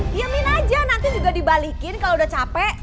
diemin aja nanti juga dibalikin kalo udah capek